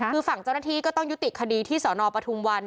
คือฝั่งเจ้าหน้าที่ก็ต้องยุติคดีที่สนปทุมวัน